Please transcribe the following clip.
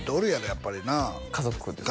やっぱりな家族ですか？